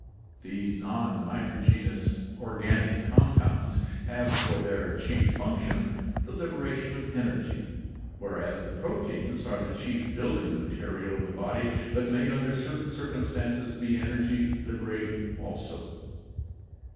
These non nitrogenous organic compounds have for their chief function the liberation of energy, whereas the proteins are the chief building material of the body but may under certain circumstances be energy liberating also.